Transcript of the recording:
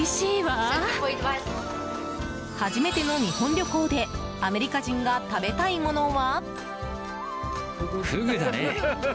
初めての日本旅行でアメリカ人が食べたいものは？